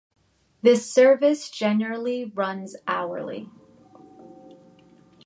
This service generally runs hourly.